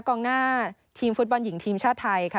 กองหน้าทีมฟุตบอลหญิงทีมชาติไทยค่ะ